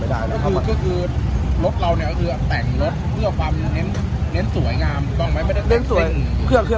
สวัสดีครับคุณผู้ชาย